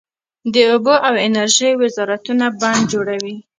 د اوبو او انرژۍ وزارت بندونه جوړوي